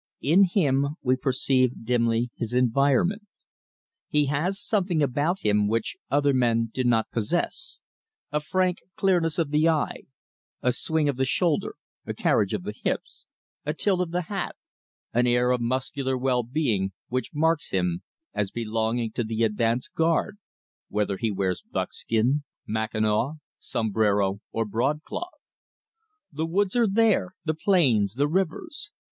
In him we perceive dimly his environment. He has something about him which other men do not possess a frank clearness of the eye, a swing of the shoulder, a carriage of the hips, a tilt of the hat, an air of muscular well being which marks him as belonging to the advance guard, whether he wears buckskin, mackinaw, sombrero, or broadcloth. The woods are there, the plains, the rivers.